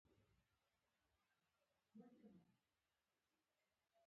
د ژمي لپاره د څارویو خوراک څنګه ذخیره کړم؟